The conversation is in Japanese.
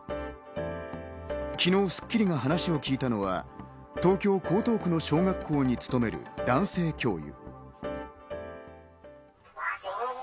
昨日『スッキリ』が話を聞いたのは東京・江東区の小学校に勤める男性教諭。